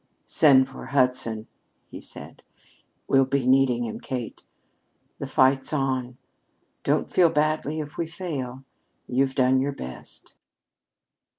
"Send for Hudson," he said. "We'll be needing him, Kate. The fight's on. Don't feel badly if we fail. You've done your best."